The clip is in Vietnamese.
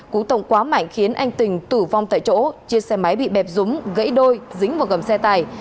cú tông quá mạnh khiến anh tình tử vong tại chỗ chiếc xe máy bị bẹp rúng gãy đôi dính vào gầm xe tải